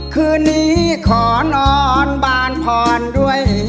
คืนนี้ขอนอนบานพรด้วย